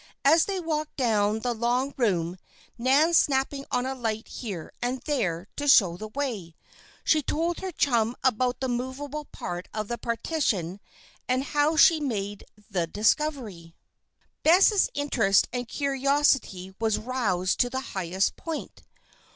As they walked down the long room, Nan snapping on a light here and there to show the way, she told her chum about the movable part of the partition and how she had made the discovery. Bess' interest and curiosity was roused to the highest point.